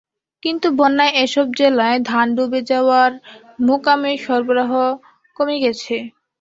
কিন্তু বন্যায় এসব জেলায় ধান ডুবে যাওয়ায় মোকামে সরবরাহ কমে গেছে।